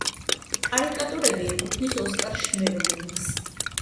კარიკატურები ეკუთვნის ოსკარ შმერლინგს.